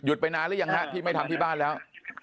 ไปนานหรือยังฮะที่ไม่ทำที่บ้านแล้ว